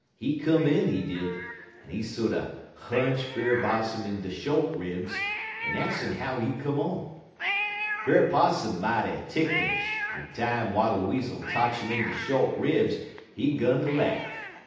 He come in, he did, en he sorter hunch Brer Possum in de short ribs, en ax 'im how he come on. Brer Possum mighty ticklish, en time Wattle Weasel totch 'im in de short ribs, he 'gun ter laugh.